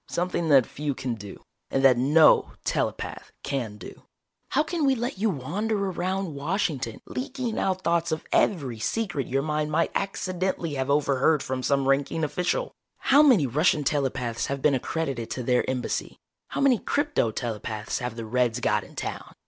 "Something that few can do, and that no telepath can do! How can we let you wander around Washington leaking out thoughts of every secret your mind might accidentally have overheard from some ranking official? How many Russian telepaths have been accredited to their Embassy? How many crypto telepaths have the Reds got in town?